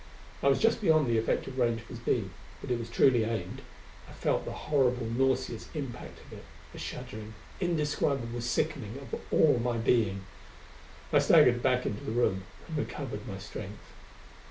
I was just beyond the effective range of his beam, but it was truly aimed: I felt the horrible nauseous impact of it, a shuddering, indescribable sickening of all my being. I staggered back into the room and recovered my strength.